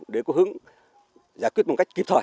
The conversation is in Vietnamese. để có hướng giải quyết một cách kịp thời